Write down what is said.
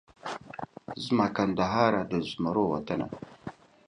زما کندهاره د زمرو وطنه